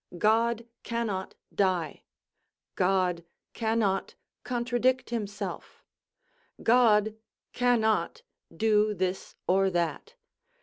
"God cannot die; God cannot contradict himself; God cannot do this or that."